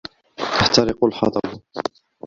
يَحْتَرِقُ الْحَطَبُ.